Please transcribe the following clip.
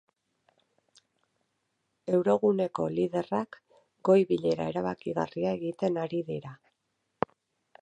Euroguneko liderrak goi-bilera erabakigarria egiten ari dira.